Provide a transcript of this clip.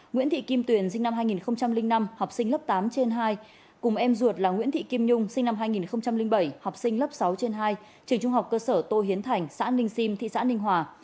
nguyễn thị kim tuyền sinh năm hai nghìn năm học sinh lớp tám trên hai cùng em ruột là nguyễn thị kim nhung sinh năm hai nghìn bảy học sinh lớp sáu trên hai trường trung học cơ sở tô hiến thành xã ninh sim thị xã ninh hòa